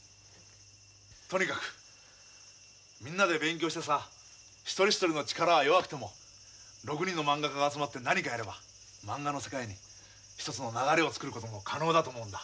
とにかくみんなで勉強してさ一人一人の力は弱くても６人のまんが家が集まって何かやればまんがの世界に一つの流れを作ることも可能だと思うんだ。